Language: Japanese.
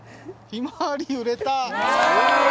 ひまわり売れた！